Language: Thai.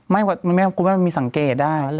ไม่คุณแม่งมันไม่มีสังเกตได้